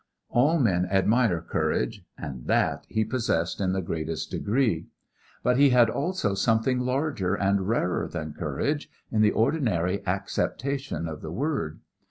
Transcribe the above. All men admire courage, and that he possessed in the highest degree. But he had also something larger and rarer than courage, in the ordinary acceptation of the word.